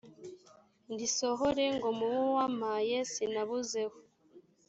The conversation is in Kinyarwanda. risohore ngo mu bo wampaye sinabuzeho